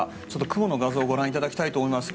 雲の画像をご覧いただきたいと思います。